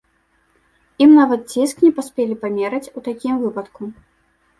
Ім нават ціск не паспелі памераць ў такім выпадку.